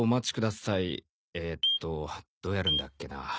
えっとどうやるんだっけな？